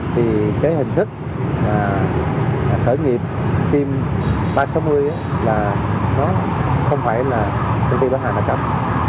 thì cái hình thức khởi nghiệp team ba trăm sáu mươi là không phải là công ty bán hàng đa cấp